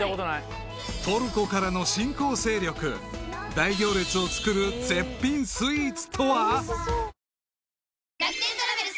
［大行列を作る絶品スイーツとは？］